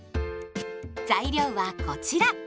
材料はこちら。